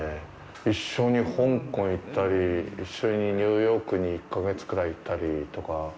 一緒に香港行ったり、一緒にニューヨークに１か月ぐらい行ったりとか。